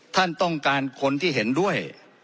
ท่านต้องการคนที่เห็นด้วย